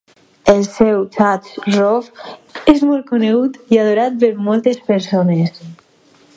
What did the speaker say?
El seu Thatch Roof és molt conegut i adorat per moltes persones.